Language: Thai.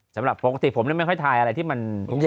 สำหรับปกติผมไม่ค่อยทายอะไรที่มันแย่